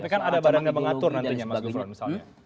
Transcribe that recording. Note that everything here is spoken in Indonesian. tapi kan ada barang yang mengatur nantinya mas gufron misalnya